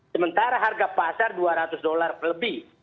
sementara harga pasar rp dua ratus lebih